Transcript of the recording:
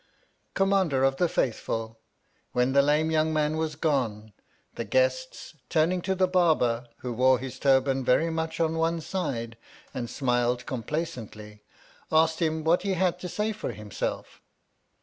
Commander of the Faithful, when the lame young man was gone, the guests, turning to the Barber, who wore his turban very much on one side and smiled complacently, asked him what he had to say for himself?